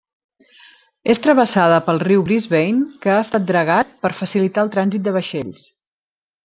És travessada pel riu Brisbane, que ha estat dragat per facilitar el trànsit de vaixells.